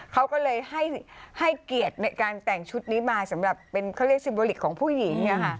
เขาก็เลยให้เกียรติในการแต่งชุดนี้มาสำหรับเป็นเขาเรียกซิมโบลิกของผู้หญิง